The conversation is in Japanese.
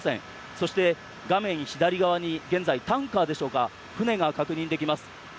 そして、画面左側に現在、タンカーでしょうか船が確認できます。